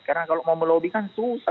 karena kalau mau melobby kan susah